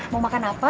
mau makan apa